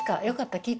よかった。